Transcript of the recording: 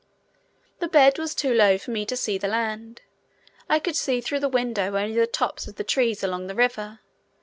The bed was too low for me to see the land; I could see through the window only the tops of the trees along the river.